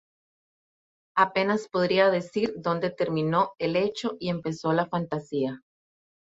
Apenas podría decir dónde terminó el hecho y empezó la fantasía.